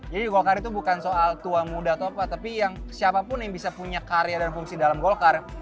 jadi golkar itu bukan soal tua muda atau apa tapi siapapun yang bisa punya karya dan fungsi dalam golkar